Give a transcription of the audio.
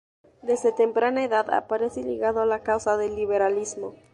Desde temprana edad aparece ligado a la causa del liberalismo.